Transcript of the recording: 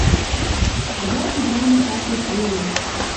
«Цилӓ ти драма такеш веле.